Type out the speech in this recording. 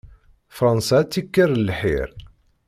Fransa ad tt-ikker lḥir.